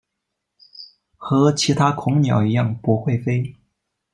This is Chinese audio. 和其他恐鸟一样不会飞。